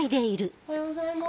おはようございます。